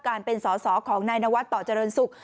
การเป็นสอสอของนายนวัดต่อเจริญศุกร์